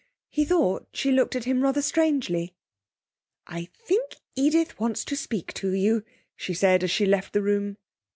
He thought she looked at him rather strangely. 'I think Edith wants to speak to you,' she said, as she left the room.